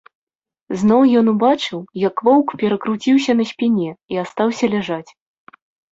Зноў ён убачыў, як воўк перакруціўся на спіне і астаўся ляжаць.